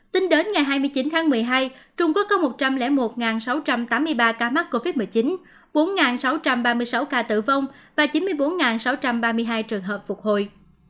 tính đến ngày hai mươi chín tháng một mươi hai trung quốc có một trăm linh một sáu trăm tám mươi ba ca mắc covid một mươi chín bốn sáu trăm ba mươi sáu ca tử vong và chín mươi bốn sáu trăm ba mươi hai trường hợp phục hồi